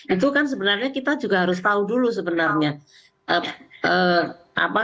itu kan sebenarnya kita juga harus tahu dulu sebenarnya